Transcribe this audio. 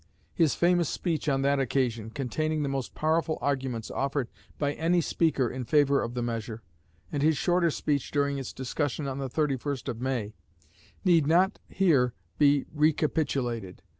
His famous speech on that occasion, containing the most powerful arguments offered by any speaker in favor of the measure, and his shorter speech during its discussion on the 31st of May, need not here be recapitulated.